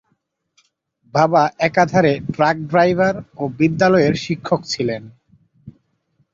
বাবা একাধারে truck driver ও বিদ্যালয়ের শিক্ষক ছিলেন।